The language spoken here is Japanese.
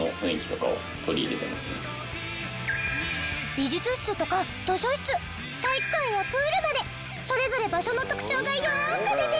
美術室とか図書室体育館やプールまでそれぞれ場所の特徴がよーく出てるよね。